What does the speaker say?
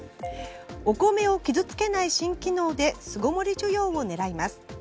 お米を傷つけない新機能で巣ごもり需要を狙います。